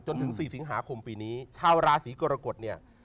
จนถึง๔สิงหาคมปีนี้ชาวราศีกรกฎเนี่ย